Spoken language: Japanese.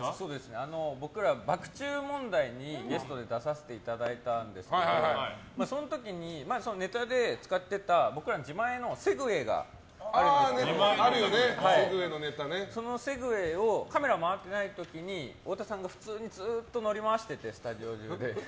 僕ら、爆チュー問題にゲストで出させてもらったんですがその時に、ネタで使ってた僕らの自前のセグウェイがあるんですけどそのセグウェイをカメラ回ってない時に太田さんが普通にずっと乗り回しててスタジオ中で。